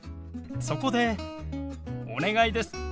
そこでお願いです。